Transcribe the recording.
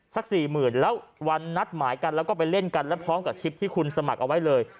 สี่หมื่นแล้ววันนัดหมายกันแล้วก็ไปเล่นกันแล้วพร้อมกับทริปที่คุณสมัครเอาไว้เลย